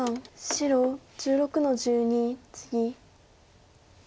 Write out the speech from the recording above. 白１６の十二ツギ。